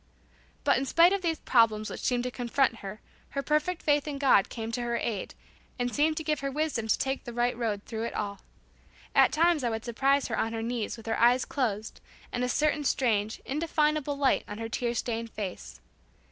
But in spite of these problems which seemed to confront her, her perfect faith in God came to her aid, and seemed to give her wisdom to take the right road through it all. At times I would surprise her on her knees with her eyes closed and a certain strange indefinable light on her tear stained face.